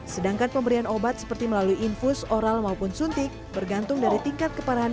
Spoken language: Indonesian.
sedangkan pemberian obat seperti melalui infus oral maupun suntik bergantung dari tingkat keparahan